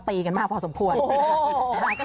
เรื่องของโชคลาบนะคะ